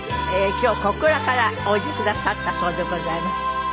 今日小倉からおいでくださったそうでございます。